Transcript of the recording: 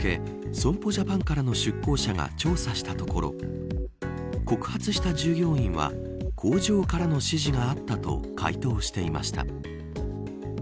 損保ジャパンからの出向者が調査したところ告発した従業員は工場からの指示があったと回答していました。